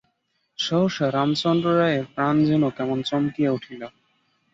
সহসা রামচন্দ্র রায়ের প্রাণ যেন কেমন চমকিয়া উঠিল।